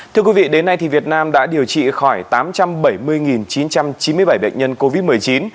thưa quý vị đến nay việt nam đã điều trị khỏi tám trăm bảy mươi chín trăm chín mươi bảy bệnh nhân covid một mươi chín